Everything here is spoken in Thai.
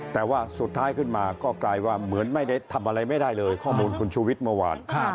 แต่ว่าสุดท้ายขึ้นมาก็กลายว่าเหมือนไม่ได้ทำอะไรไม่ได้เลยข้อมูลคุณชูวิทย์เมื่อวาน